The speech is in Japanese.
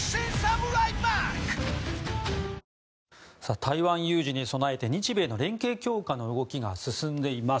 台湾有事に備えて日米連携強化の動きが進んでいます。